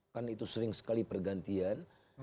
kan itu sering sekali pergantian